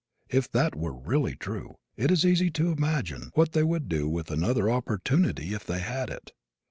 If that were really true, it is easy to imagine what they would do with another opportunity if they had it!